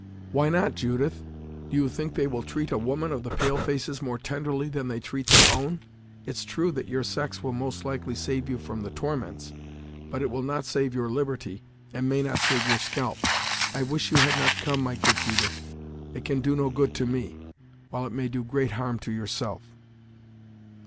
"Why not, Judith? Do you think they will treat a woman of the pale faces more tenderly than they treat their own? It's true that your sex will most likely save you from the torments, but it will not save your liberty, and may not save your scalp. I wish you had not come, my good Judith; it can do no good to me, while it may do great harm to yourself."